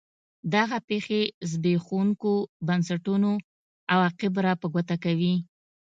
دغه پېښې زبېښونکو بنسټونو عواقب را په ګوته کوي.